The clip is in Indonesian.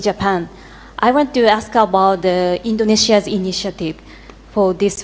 saya ingin bertanya tentang inovasi indonesia untuk forum ini